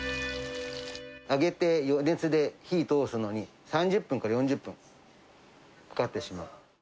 揚げて余熱で火通すのに、３０分から４０分かかってしまう。